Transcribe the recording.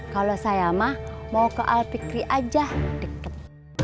kalau saya mah mau ke alpikri aja deket